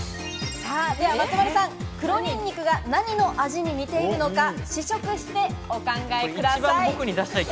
では松丸さん、黒にんにくが何の味に似ているのか、試食してお考えください。